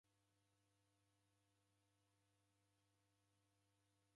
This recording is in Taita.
Udimagha kwa chia